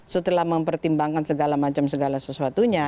setelah mempertimbangkan segala macam segala sesuatunya